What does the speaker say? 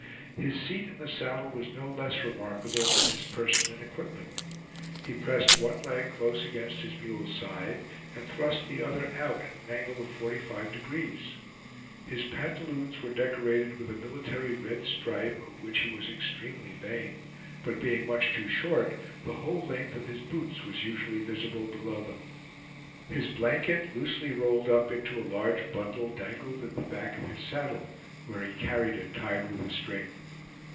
His seat in the saddle was no less remarkable than his person and equipment. He pressed one leg close against his mule's side, and thrust the other out at an angle of 45 degrees. His pantaloons were decorated with a military red stripe, of which he was extremely vain; but being much too short, the whole length of his boots was usually visible below them. His blanket, loosely rolled up into a large bundle, dangled at the back of his saddle, where he carried it tied with a string.